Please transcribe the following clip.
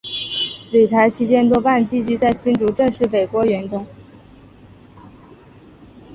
旅台期间多半寄居在新竹郑氏北郭园中。